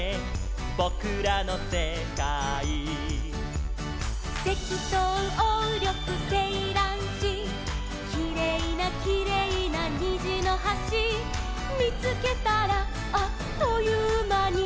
「ぼくらのせかい」「セキトウオウリョクセイランシ」「きれいなきれいなにじのはし」「みつけたらあっというまに」